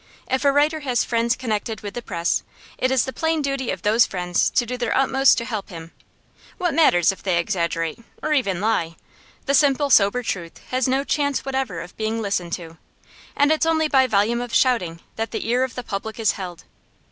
If a writer has friends connected with the press, it is the plain duty of those friends to do their utmost to help him. What matter if they exaggerate, or even lie? The simple, sober truth has no chance whatever of being listened to, and it's only by volume of shouting that the ear of the public is held.